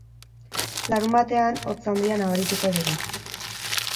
Larunbatean, hotz handia nabarituko dugu.